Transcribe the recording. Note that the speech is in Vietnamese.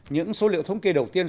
những số liệu thống kê đầu tiên